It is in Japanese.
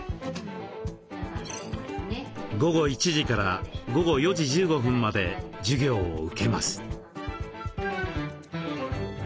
午後１時から午後４時１５分まで授業を受けます。